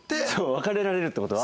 別れられるって事は。